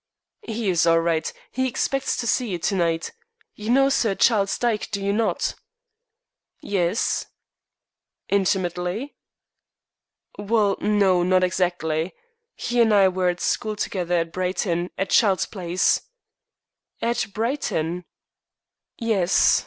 "He is all right. He expects to see you to night. You know Sir Charles Dyke, do you not?" "Yes." "Intimately?" "Well, no, not exactly. He and I were at school together at Brighton, at Childe's place." "At Brighton?" "Yes.